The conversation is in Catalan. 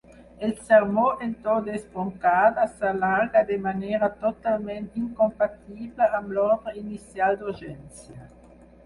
El sermó en to d'esbroncada s'allarga de manera totalment incompatible amb l'ordre inicial d'urgència.